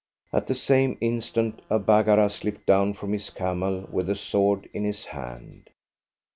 At the same instant a Baggara slipped down from his camel with a sword in his hand.